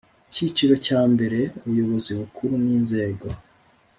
Icyiciro cya mbere Ubuyobozi Bukuru n inzego